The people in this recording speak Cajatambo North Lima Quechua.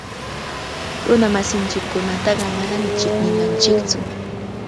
Runamasinchikkunataqa manami chiqninanchiktsu.